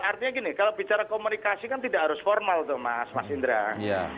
artinya gini kalau bicara komunikasi kan tidak harus formal tuh mas mas indra